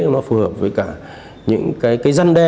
nó phù hợp với cả những cái dân đe